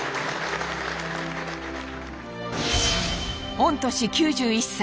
御年９１歳